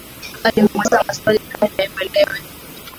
Alimwuliza maswali ilmradi aelewe